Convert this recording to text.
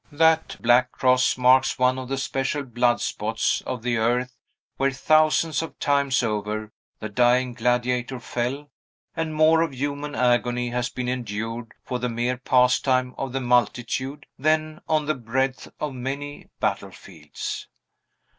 That black cross marks one of the special blood spots of the earth where, thousands of times over, the dying gladiator fell, and more of human agony has been endured for the mere pastime of the multitude than on the breadth of many battlefields.